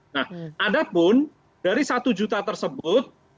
nah adapun dari satu juta tersebut